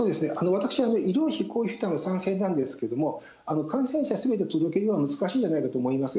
私はね、医療費公費負担は賛成なんですけども、感染者すべて届け出るというのは難しいんじゃないかと思います。